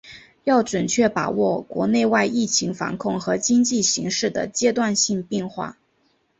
要准确把握国内外疫情防控和经济形势的阶段性变化